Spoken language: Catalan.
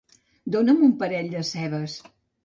Dona'm un parell de cebes